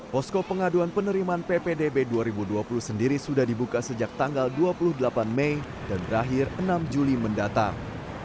posko pengaduan penerimaan ppdb dua ribu dua puluh sendiri sudah dibuka sejak tanggal dua puluh delapan mei dan berakhir enam juli mendatang